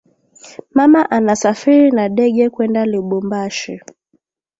Mama anasafiri na dege kwenda lubumbashi